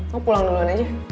lo pulang duluan aja